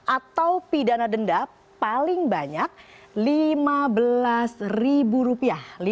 atau pidana denda paling banyak lima belas ribu rupiah